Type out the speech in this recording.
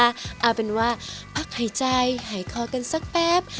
เอาเป็นว่าพักหายใจหายคอกันสักแป๊บ